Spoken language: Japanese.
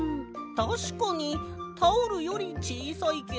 たしかにタオルよりちいさいけど。